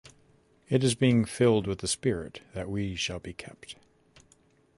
It is by being filled with the Spirit that we shall be kept.